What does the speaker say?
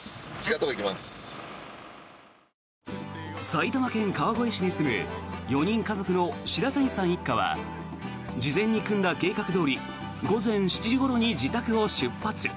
埼玉県川越市に住む４人家族の白谷さん一家は事前に組んだ計画どおり午前７時ごろに自宅を出発。